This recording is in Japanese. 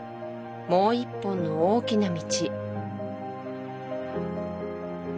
もう一本の大きな道